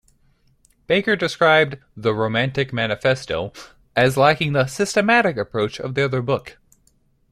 Baker described "The Romantic Manifesto" as lacking the "systematic" approach of the other book.